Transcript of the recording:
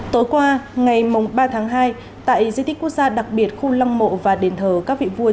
tối qua ngày ba tháng hai tại diết thích quốc gia đặc biệt khu long mộ và đền thờ các vị vua